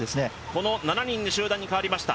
この７人の集団に代わりました、